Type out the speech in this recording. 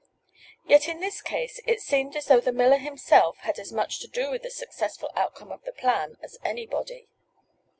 Yet in this case it seemed as though the miller himself had as much to do with the successful outcome of the plan as anybody.